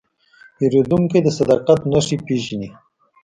پیرودونکی د صداقت نښې پېژني.